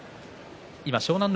湘南乃